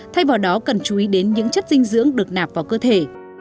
thay vào đó cần chú ý đến những chất dinh dưỡng được nạp vào cơ thể